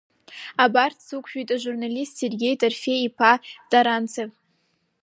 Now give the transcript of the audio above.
Абра дсықәшәеит ажурналист Сергеи Дарафеи-иԥа Таранцев.